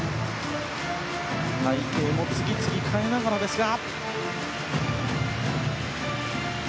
隊形も次々変えながらですが。